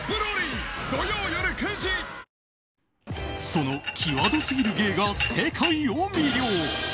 その際どすぎる芸が世界を魅了。